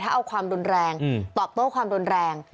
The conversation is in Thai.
ถ้าเอาความรุนแรงตอบโต้ความรุนแรง